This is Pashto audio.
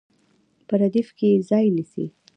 په ردیف کې یې ځای نیسي.